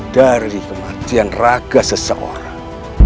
dari kematian raga seseorang